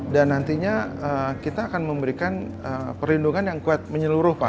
dan nantinya kita akan memberikan perlindungan yang kuat menyeluruh pak